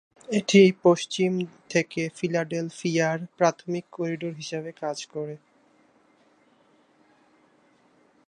এটি পশ্চিম থেকে ফিলাডেলফিয়ার প্রাথমিক করিডোর হিসাবে কাজ করে।